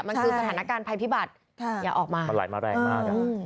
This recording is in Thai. มันคือสถานการณ์ภัยพิบัติอย่าออกมามันไหลมาแรงมาก